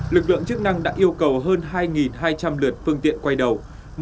lực lượng chức năng đã yêu cầu hơn hai hai trăm linh lượt phương tiện quay đầu